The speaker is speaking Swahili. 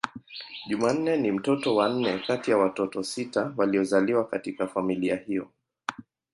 Jumanne ni mtoto wa nne kati ya watoto sita waliozaliwa katika familia yao.